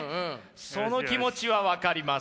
その気持ちは分かります。